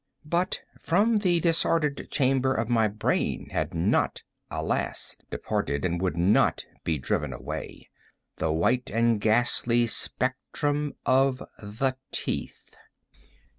But from the disordered chamber of my brain, had not, alas! departed, and would not be driven away, the white and ghastly spectrum of the teeth.